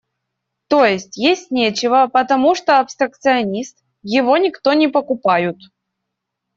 То есть, есть нечего, потому что – абстракционист, его никто не покупают.